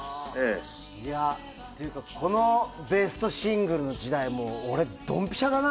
このベストシングルの時代俺、ドンピシャだな。